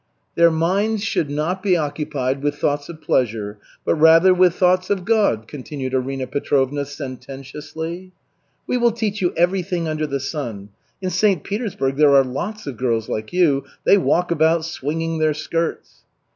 "Their minds should not be occupied with thoughts of pleasure, but rather with thoughts of God," continued Arina Petrovna sententiously. "We will teach you everything under the sun. In St. Petersburg there are lots of girls like you. They walk about swinging their skirts."